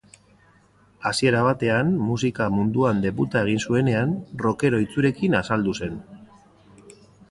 Hasiera batean, musika munduan debuta egin zuenean, rockero itxurekin azaldu zen.